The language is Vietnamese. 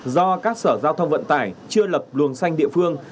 do các sở giao thông vận tải chưa lập luồng xanh địa phương